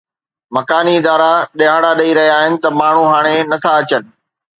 مڪاني ادارا ڏهاڙا ڏئي رهيا آهن ته ماڻهو هاڻي نٿا اچن